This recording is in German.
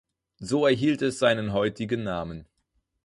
So erhielt es seinen heutigen Namen.